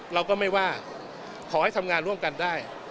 เราก็ไม่ว่าขอให้ทำงานร่วมกันได้